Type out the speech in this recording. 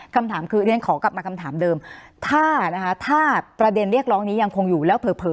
คำถามคือเรียนขอกลับมาคำถามเดิมถ้านะคะถ้าประเด็นเรียกร้องนี้ยังคงอยู่แล้วเผลอ